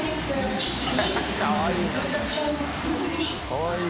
かわいい！